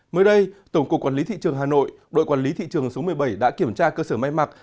mới đây tổng cục quản lý thị trường hà nội đội quản lý thị trường số một mươi bảy đã kiểm tra cơ sở may mặc